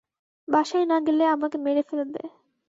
বাসায় না গেলে আমাকে মেরে ফেলবে।